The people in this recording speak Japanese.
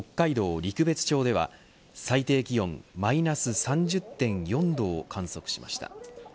陸別町では最低気温マイナス３０．４度を観測しました。